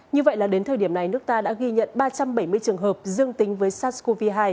như vậy là đến thời điểm này nước ta đã ghi nhận ba trăm bảy mươi trường hợp dương tính với sars cov hai